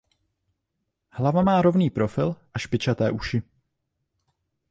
Hlava má rovný profil a špičaté uši.